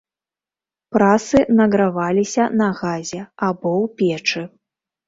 Прасы награваліся на газе або ў печы.